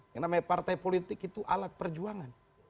yang namanya partai politik itu alat perjuangan